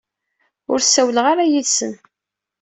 Ur ssawaleɣ ara yid-sen.